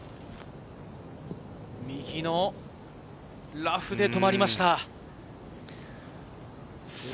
右のラフで止まりました。